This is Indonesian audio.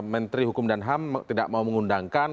menteri hukum dan ham tidak mau mengundangkan